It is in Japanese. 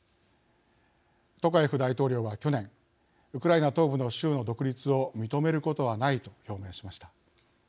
トカエフ大統領は去年ウクライナ東部の州の独立を認めることはないと表明しました。